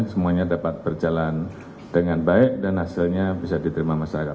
semuanya dapat berjalan dengan baik dan hasilnya bisa diterima masyarakat